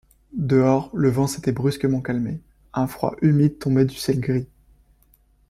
Dehors, le vent s’était brusquement calmé, un froid humide tombait du ciel gris.